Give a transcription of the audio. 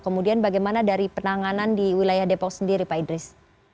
kemudian bagaimana dari penanganan di wilayah depok sendiri pak idris